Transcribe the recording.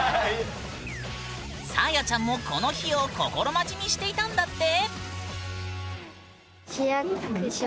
さあやちゃんもこの日を心待ちにしていたんだって！